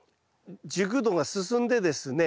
熟度が進んでですね